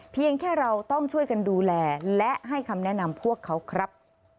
เพียงแค่เราต้องช่วยกันดูแลและให้คำแนะนำพวกเขาครับ